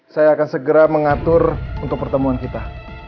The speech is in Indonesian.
saya akan segera mengatur untuk pertemuan kita